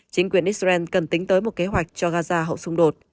chính quyền israel cần tính tới một kế hoạch cho gaza hậu xung đột